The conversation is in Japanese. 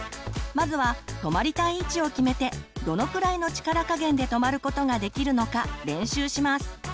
まずは止まりたい位置を決めてどのくらいの力加減で止まることができるのか練習します。